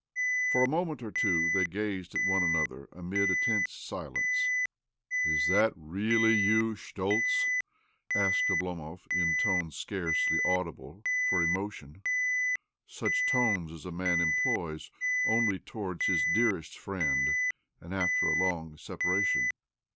For a moment о two they gazed at one another amid a tens silence. "Is that really you, Schtoltz?" aske Oblomov in tones scarcely audible fo emotion — such tones as a man employs onl towar'ds his d'earest friend and after a lonj separation.